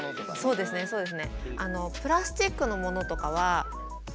そうですそうです。